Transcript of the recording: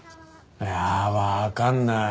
いやあわかんない。